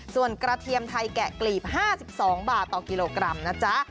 ส่วนกระเทียมไทยแกะกลีบ๕๒บาทต่อกิโลกรัมนะจ๊ะ